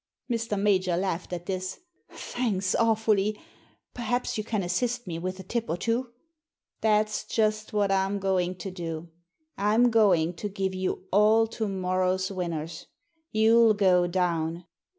Mr. Major laughed at this. Thanks awfully. Perhaps you can assist me with a tip or two?" "That's just what Fm going to da I'm going to give you all to morrow's winners. You'll go down.